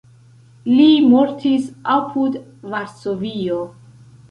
Li mortis apud Varsovio.